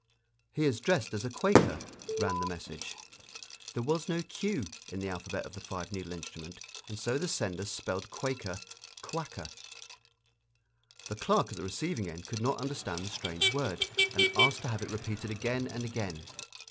"He is dressed as a Quaker," ran the message. There was no Q in the alphabet of the five needle instrument, and so the sender spelled Quaker, Kwaker. The clerk at the receiving end could not understand the strange word, and asked to have it repeated again and again.